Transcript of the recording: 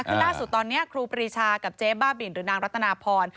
คือล่าสุดตอนนี้ครูปรีชากับเจ๊บ้าบินหรือนางรัตนาพร